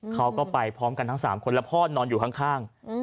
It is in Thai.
เขาก็ไปพร้อมกันทั้ง๓คนและพ่อนอนอยู่ข้าง